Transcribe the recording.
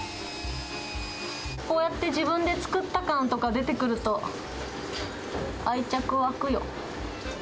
こうやって自分で作った感とか出てくると、愛着湧くよ。